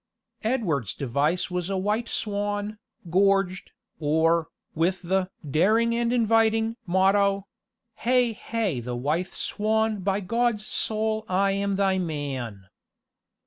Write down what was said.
Edward's device was a white swan, gorged, or, with the "daring and inviting" motto Hay hay the wythe swan By God's soul I am thy man.